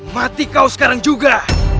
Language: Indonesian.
mati kau sekarang juga